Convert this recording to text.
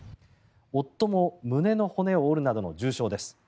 夫も胸の骨を折るなどの重傷です。